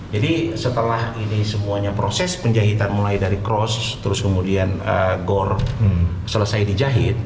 jadi setelah ini semuanya proses penjahitan mulai dari cross terus kemudian gore selesai dijahit